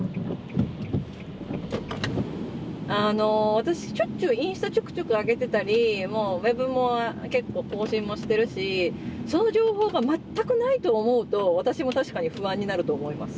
私しょっちゅうインスタちょくちょく上げてたりウェブも結構更新もしてるしその情報が全くないと思うと私も確かに不安になると思います。